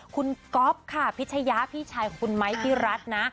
คุณก๊อปค่ะพิชยาพี่ชายคุณไม้พิรัทน์นะ